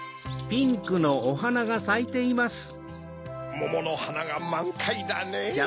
もものはながまんかいだねぇ。